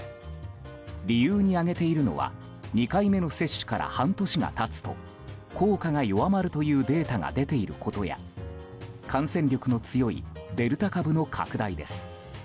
理由に挙げているのは２回目の接種から半年が経つと効果が弱まるというデータが出ていることや感染力の強いデルタ株の拡大です。